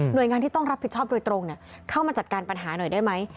โดยงานที่ต้องรับผิดชอบโดยตรงเข้ามาจัดการปัญหาหน่อยได้ไหม